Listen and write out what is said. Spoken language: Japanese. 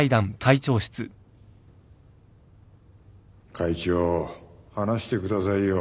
会長話してくださいよ。